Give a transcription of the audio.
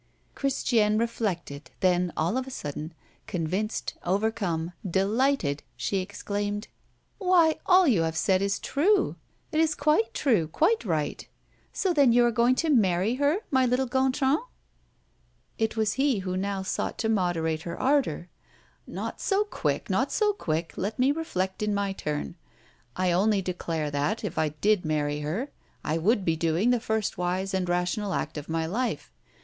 Christiane reflected, then, all of a sudden, convinced, overcome, delighted, she exclaimed: "Why, all you have said is true! It is quite true, quite right! So then you are going to marry her, my little Gontran?" It was he who now sought to moderate her ardor. "Not so quick not so quick let me reflect in my turn. I only declare that, if I did marry her, I would be doing the first wise and rational act of my life.